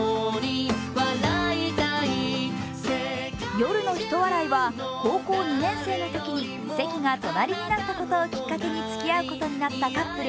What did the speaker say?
夜のひと笑いは高校２年生のときに席が隣になったことをきっかけにつきあうことになったカップル